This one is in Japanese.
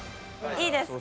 いいですか？